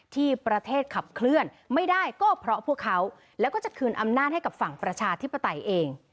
ที่ประเทศขับเคลื่อนไม่ได้ก็เพราะพวกเขาแล้วก็จะคืนอำนาจให้กับฝั่งประชาธิปไตยเอง